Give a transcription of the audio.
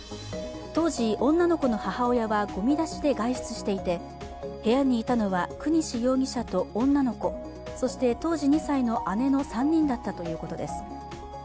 当時、女の子の母親はごみ出しで外出していて部屋にいたのは國司容疑者と女の子そして当時２歳の姉の３人だったということです。